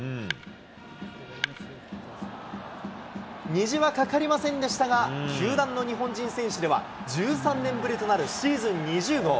虹は架かりませんでしたが、球団の日本人選手では、１３年ぶりとなる、シーズン２０号。